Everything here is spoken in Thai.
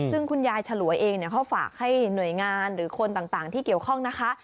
ซึ่งคุณยายฉลวยเองเขาฝากให้หน่วยงานหรือคนต่างที่เกี่ยวข้องนะคะ